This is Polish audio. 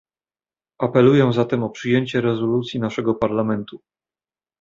Apeluję zatem o przyjęcie rezolucji naszego Parlamentu